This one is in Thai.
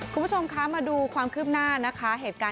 คุณผู้ชมค่ะมาดูความคืบหน้าเนี้ย